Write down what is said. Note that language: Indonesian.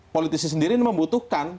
politisi sendiri membutuhkan